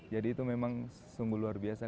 itu memang sungguh luar biasa